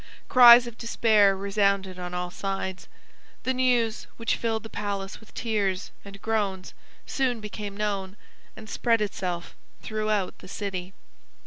Cries of despair resounded on all sides. The news, which filled the palace with tears and groans, soon became known, and spread itself throughout the city.